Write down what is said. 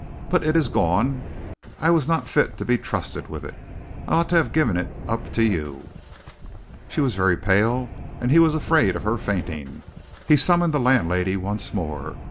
"But it is gone! I was not fit to be trusted with it. I ought to have given it up to you." She was very pale, and he was afraid of her fainting. He summoned the landlady once more.